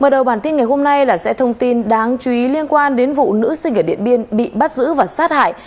mở đầu bản tin ngày hôm nay là sẽ thông tin đáng chú ý liên quan đến vụ nữ sinh ở điện biên bị bắt giữ và sát hại